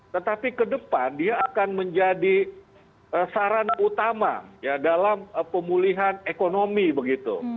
tetapi ke depan dia akan menjadi sarana utama ya dalam pemulihan ekonomi begitu